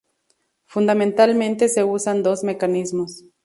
Fundamentalmente se usan dos mecanismos.